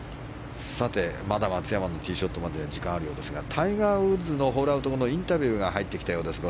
まだ松山のティーショットまでは時間があるようですがタイガー・ウッズのホールアウト後のインタビューが入ってきたようです。